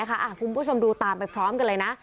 คุณผู้ชมดูตามไปพร้อมกันเลยนะ